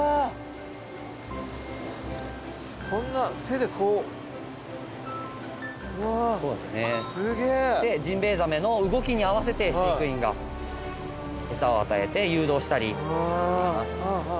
でジンベエザメの動きに合わせて飼育員が餌を与えて誘導したりしています。